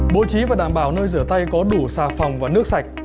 bố trí và đảm bảo nơi rửa tay có đủ xà phòng và nước sạch